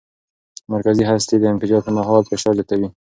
مرکزي هستي د انفجار پر مهال فشار زیاتوي.